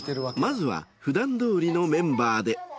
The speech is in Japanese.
まずはふだんどおりのメンバーで。